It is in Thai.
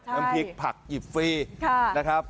น้ำพริกผักหยิบฟรีนะครับ